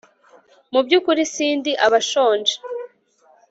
Mu byukuri sindi abashonje